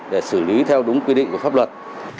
để xử lý theo đúng quy định của pháp luật